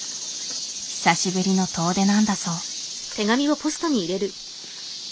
久しぶりの遠出なんだそう。